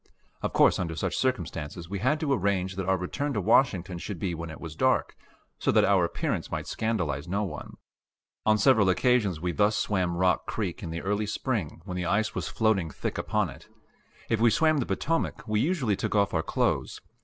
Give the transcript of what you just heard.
Of course under such circumstances we had to arrange that our return to Washington should be when it was dark, so that our appearance might scandalize no one. On several occasions we thus swam Rock Creek in the early spring when the ice was floating thick upon it. If we swam the Potomac, we usually took off our clothes.